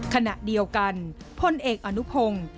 ขณะเดียวกันพลเอกอนุพงศ์